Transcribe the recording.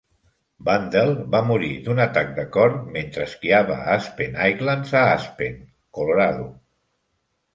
Bandel va morir d"un atac de cor mentre esquiava a Aspen Highlands a Aspen, Colorado.